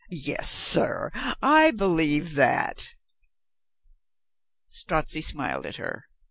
"Yes, sir, I believe that." Strozzi smiled at her.